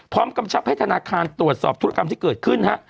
กำชับให้ธนาคารตรวจสอบธุรกรรมที่เกิดขึ้นฮะ